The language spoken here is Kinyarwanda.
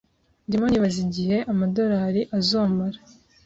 Ndimo nibaza igihe amadorari azomara